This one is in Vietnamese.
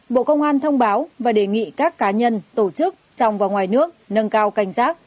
bộ công an thông báo và đề nghị các cá nhân tổ chức trong và ngoài nước nâng cao cảnh giác